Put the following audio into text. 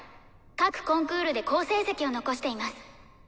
各コンクールで好成績を残しています。